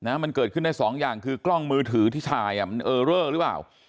มันเกิดขึ้นได้สองอย่างคือกล้องมือถือที่ถ่ายอ่ะมันเออเรอหรือเปล่า